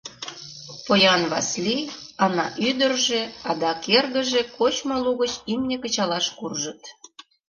Поян Васлий, Ана ӱдыржӧ, адак эргыже кочмо лугыч имне кычалаш куржыт.